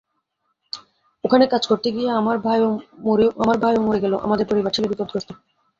ওখানে কাজ করতে গিয়ে আমার ভাইও মরে গেল, আমাদের পরিবার ছিল বিপদগ্রস্ত।